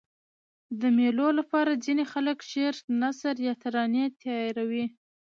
د مېلو له پاره ځيني خلک شعر، نثر یا ترانې تیاروي.